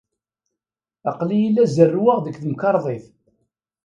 Aql-iyi la zerrweɣ deg temkarḍit.